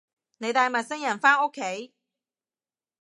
你帶陌生人返屋企